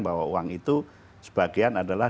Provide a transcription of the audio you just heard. bahwa uang itu sebagian adalah